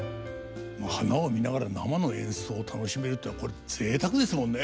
花を見ながら生の演奏を楽しめるっていうのはこれぜいたくですもんね。